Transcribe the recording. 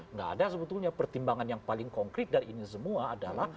nggak ada sebetulnya pertimbangan yang paling konkret dari ini semua adalah